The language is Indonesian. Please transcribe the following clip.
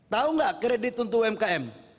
tahu nggak kredit untuk umkm